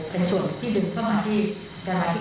เป็นส่วนที่ดึงเข้ามาที่